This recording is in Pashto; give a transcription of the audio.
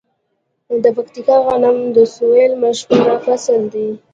د پکتیکا غنم د سویل مشهور فصل دی.